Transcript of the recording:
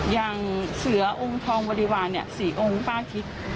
อย่างเสือองค์ทองบริวาร๔องค์ป้าคิด